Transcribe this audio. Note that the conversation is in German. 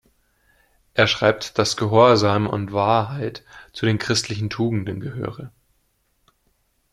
Er schreibt, dass Gehorsam und Wahrheit zu den christlichen Tugenden gehöre.